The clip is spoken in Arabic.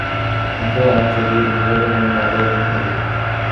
متاع قليل ولهم عذاب أليم